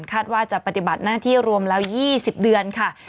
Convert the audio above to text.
คาดว่าจะปฏิบัติหน้าที่รวมแล้ว๒๐เดือนค่ะ